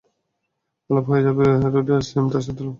আলাপ হয়ে যাবে রুডি আর স্যাম ও তার সাথে আলাপ করতে চাইবে।